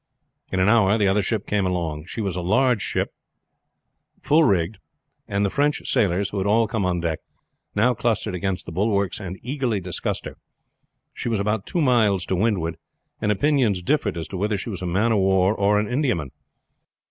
In an hour the other ship came along. She was a large ship, full rigged, and the French sailors, who had all come on deck, now clustered against the bulwarks and eagerly discussed her. She was about two miles to windward, and opinions differed as to whether she was a man of war or an Indiaman.